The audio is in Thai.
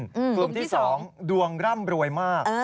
กลุ่มที่๒ดวงร่ำรวยมาก